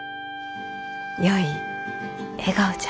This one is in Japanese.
よい笑顔じゃ。